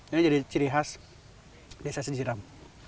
ini jadi ciri khas desa sejiram